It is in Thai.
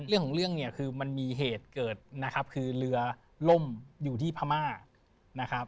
เรื่องของเรื่องเนี่ยคือมันมีเหตุเกิดนะครับคือเรือล่มอยู่ที่พม่านะครับ